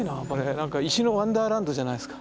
何か石のワンダーランドじゃないですか。